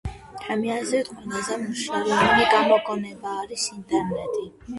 ჩემი აზრით, ყველაზე მნიშვნელოვანი გამოგონება არის ინტერნეტი.